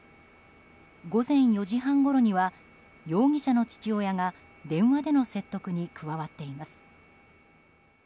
午前４時半ごろには容疑者の父親が電話での説得に加わっています。